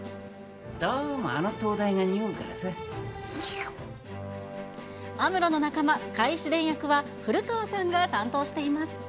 どうもあの灯台がにおうからアムロの仲間、カイ・シデン役は、古川さんが担当しています。